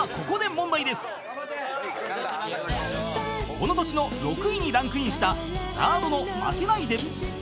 ［この年の６位にランクインしたＺＡＲＤの『負けないで』］